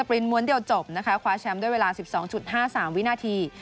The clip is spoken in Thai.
กล้องม้วนเดี่ยวจบนะคะคว้าแชมป์ด้วยเวลาสิบสองจุดห้าสามวินาที